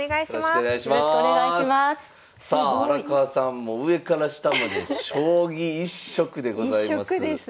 すごい！さあ荒川さんも上から下まで将棋一色でございます。